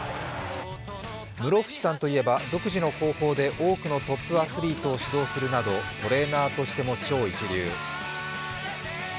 室伏さんといえば、独自の方法で多くのトップアスリートを指導するなど、トレーナーとしても超一流。